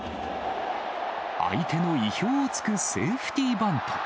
相手の意表をつくセーフティーバント。